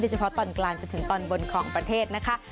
เฉพาะตอนกลางจนถึงตอนบนของประเทศนะคะ